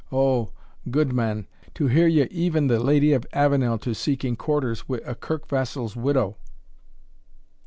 Oh! gudeman, to hear ye even the Lady of Avenel to seeking quarters wi' a Kirk vassal's widow!"